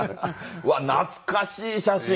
うわ懐かしい写真。